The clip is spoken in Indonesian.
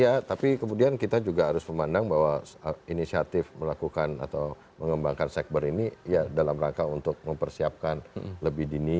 iya tapi kemudian kita juga harus memandang bahwa inisiatif melakukan atau mengembangkan sekber ini ya dalam rangka untuk mempersiapkan lebih dini